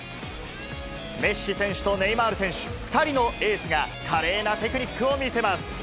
メッシ選手とネイマール選手、２人のエースが華麗なテクニックを見せます。